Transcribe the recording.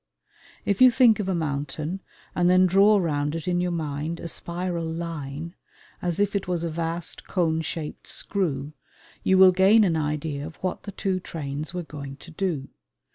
If you think of a mountain and then draw round it in your mind a spiral line as if it was a vast cone shaped screw, you will gain an idea of what the two trains were going to do.